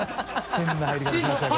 変な入り方しましたよ